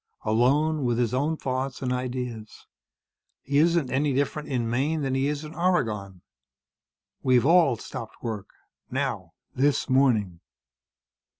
Alone, with his own thoughts and ideas. He isn't any different in Maine than he is in Oregon. We've all stopped work. Now. This morning."